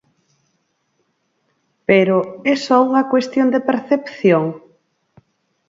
Pero, é só unha cuestión de percepción?